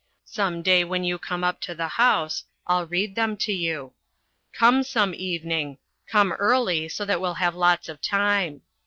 Some day when you come up to the house I'll read them to you. Come some evening. Come early so that we'll have lots of time.